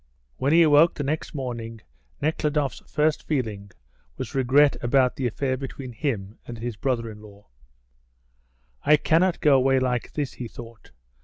When he awoke the next morning Nekhludoff's first feeling was regret about the affair between him and his brother in law. "I cannot go away like this," he thought.